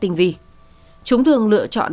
tinh vi chúng thường lựa chọn